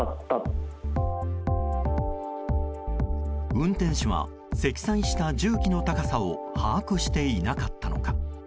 運転手は積載した重機の高さを把握していなかったのか。